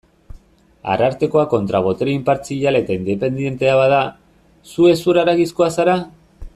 Arartekoa kontra-botere inpartzial eta independentea bada, zu hezur-haragizkoa zara?